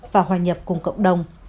và hòa nhập cùng cộng đồng